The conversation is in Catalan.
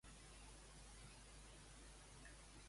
El Tribunal Constitucional té un estil de treball molt lent.